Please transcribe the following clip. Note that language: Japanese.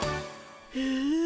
へえ。